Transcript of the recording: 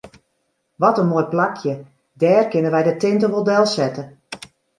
Wat in moai plakje, dêr kinne wy de tinte wol delsette.